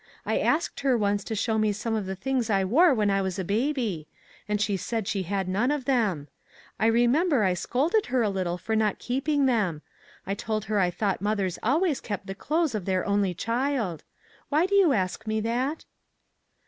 I asked her, once, to show me some of the things I wore when I was a baby ; and she said she had none of them. I remem ber I scolded her a little for not keeping them. I told her I thought mothers always kept the clothes of their only child. Why do you ask me that?"